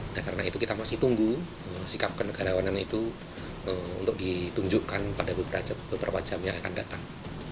dan karena itu kita masih tunggu sikap kenegarawanan itu untuk ditunjukkan pada beberapa jam yang akan datang